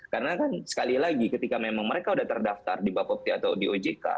karena kan sekali lagi ketika memang mereka udah terdaftar di bapepti atau di ojk